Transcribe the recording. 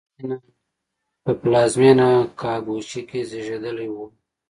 په پلازمېنه کاګوشی کې زېږېدلی و.